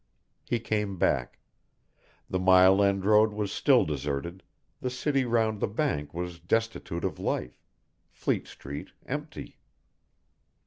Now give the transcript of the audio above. He came back. The Mile End Road was still deserted, the city round the bank was destitute of life, Fleet Street empty.